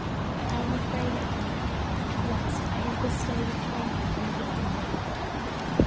48:004:011 I am afraid of you, lest I have bestowed upon you labour in vain.